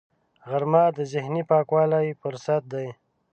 غرمه د ذهني پاکوالي فرصت دی